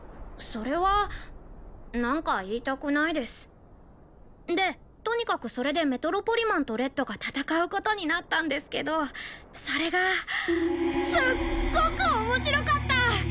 それは何か言いたくないですでとにかくそれでメトロポリマンとレッドが戦うことになったんですけどそれがすっごく面白かった！